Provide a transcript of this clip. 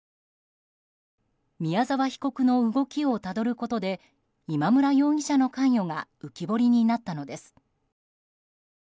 宮沢被告の動きをたどることで今村容疑者の関与が浮き彫りになったのです。